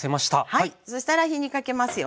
はいそしたら火にかけますよ。